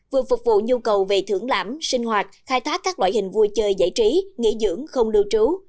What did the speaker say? vừa phục vụ nhu cầu về thưởng lãm sinh hoạt khai thác các loại hình vui chơi giải trí nghỉ dưỡng không lưu trú